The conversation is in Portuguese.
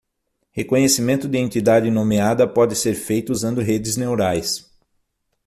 Reconhecimento de Entidade Nomeada pode ser feito usando Redes Neurais.